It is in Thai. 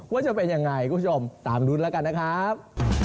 ว่าจะเป็นยังไงคุณผู้ชมตามรุ้นแล้วกันนะครับ